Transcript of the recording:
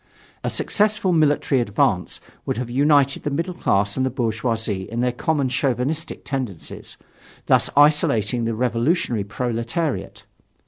A successful military advance would have united the middle class and the bourgeoisie in their common chauvinistic tendencies, thus isolating the revolutionary proletariat.